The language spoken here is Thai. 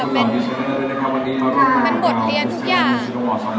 มันบทเรียนทุกอย่าง